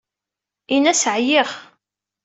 Ini-as ɛyiɣ.